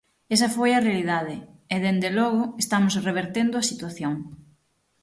Esa foi a realidade, e, dende logo, estamos revertendo a situación.